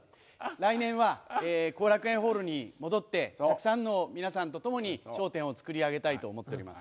来年は後楽園ホールに戻って、たくさんの皆さんと共に笑点を作り上げたいと思っております。